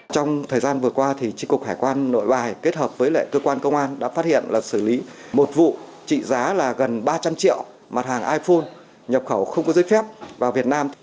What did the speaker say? trong thời gian vừa qua tri cục hải quan nội bài kết hợp với lại cơ quan công an đã phát hiện là xử lý một vụ trị giá là gần ba trăm linh triệu mặt hàng iphone nhập khẩu không có giấy phép vào việt nam